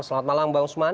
selamat malam bang usman